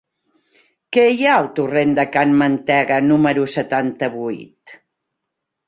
Què hi ha al torrent de Can Mantega número setanta-vuit?